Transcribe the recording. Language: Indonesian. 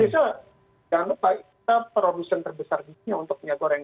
kita produksi yang terbesar untuk minyak goreng